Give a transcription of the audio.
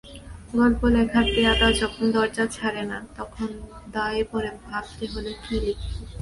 গল্পলেখার পেয়াদা যখন দরজা ছাড়ে না তখন দায়ে পড়ে ভাবতে হল কী লিখি।